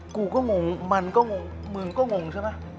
กูก็งงมันก็งงมึงก็งงใช่ไหม